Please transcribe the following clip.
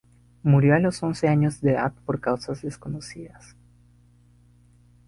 Murió a los once años de edad por causas desconocidas.